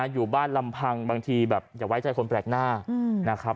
อยู่บ้านลำพังบางทีแบบอย่าไว้ใจคนแปลกหน้านะครับ